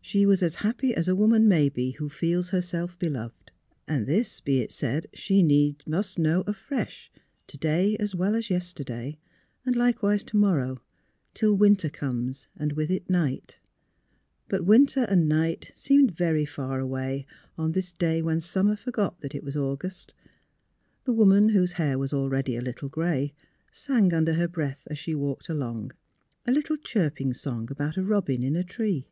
She was as happy as a woman may be who feels herself beloved. And this, be it said, she needs must know afresh, to day, as well as yesterday, and likewise to morrow, till winter comes and with it night. But winter and night seemed very far away on 256 PLAYING MOTHER 257 this day when summer forgot that it was August. The woman, whose hair was already a little gray, sang under her breath as she walked along — a little chirping song about a robin in a tree.